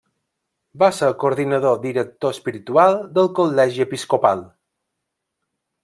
Va ser coordinador director espiritual del Col·legi Episcopal.